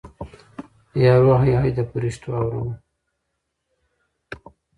یارو هی هی د فریشتو اورمه